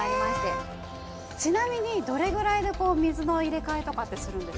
ちなみにどれぐらいで水の入れ替えとかってするんですか？